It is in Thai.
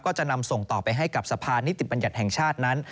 จะนำส่งต่อไปให้กับสะพานนิติบัญญัติแห่งชาตินั้น